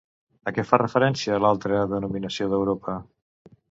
A què fa referència l'altra denominació d'Europa?